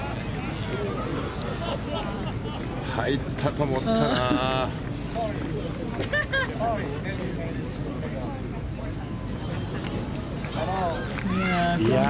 入ったと思ったなあ。